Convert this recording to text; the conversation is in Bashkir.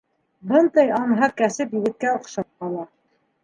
Бындай анһат кәсеп егеткә оҡшап ҡала.